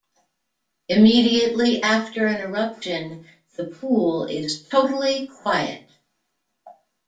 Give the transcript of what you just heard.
Immediately after an eruption the pool is totally quiet.